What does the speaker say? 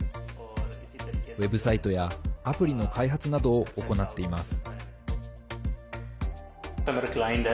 ウェブサイトやアプリの開発などを行っています。